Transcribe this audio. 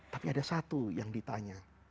tapi ada satu yang ditanya